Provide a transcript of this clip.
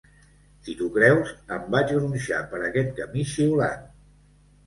Si t'ho creus, em vaig gronxar per aquest camí xiulant.